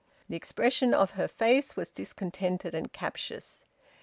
The expression of her face was discontented and captious.